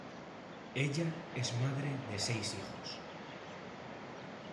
Ella es madre de seis hijos.